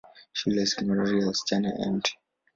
Shule ya Sekondari ya wasichana ya Mt.